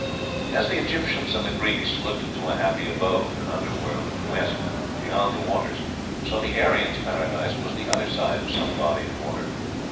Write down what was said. As the Egyptians and the Greeks looked to a happy abode (an under world) in the west, beyond the waters, so the Aryan's paradise was the other side of some body of water.